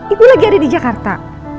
ibu lagi ada di jakarta